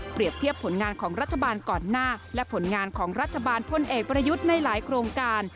เทียบผลงานของรัฐบาลก่อนหน้าและผลงานของรัฐบาลพลเอกประยุทธ์ในหลายโครงการ